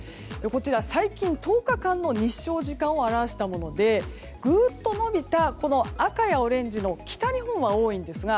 こちら最近１０日間の日照時間を表したものでぐっと伸びた赤やオレンジの北日本は多いんですが